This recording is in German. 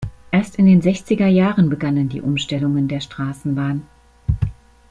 Erst in den sechziger Jahren begannen die Umstellungen der Straßenbahn.